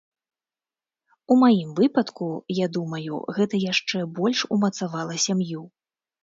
У маім выпадку, я думаю, гэта яшчэ больш умацавала сям'ю.